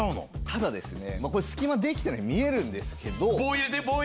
ただですねこれ隙間できてないように見えるんですけど。